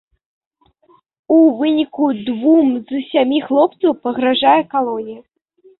У выніку двум з сямі хлопцаў пагражае калонія.